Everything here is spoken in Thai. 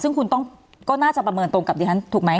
ซึ่งคุณต้องก็น่าจะประเมินตรงกับดิฉันถูกไหม